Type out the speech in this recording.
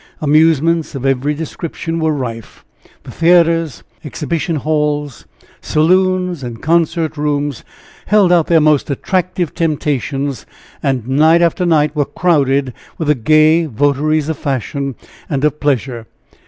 Amusements of every description were rife. The theatres, exhibition halls, saloons and concert rooms held out their most attractive temptations, and night after night were crowded with the gay votaries of fashion and of pleasure.